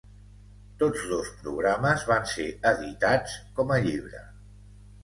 Tots dos programes van ser editats com a llibre.